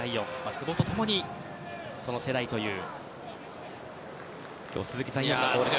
久保と共に、その世代という。